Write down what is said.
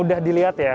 semudah dilihat ya